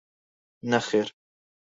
نەخێر.